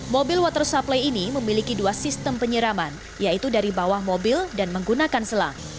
mobil water supply ini memiliki dua sistem penyiraman yaitu dari bawah mobil dan menggunakan selang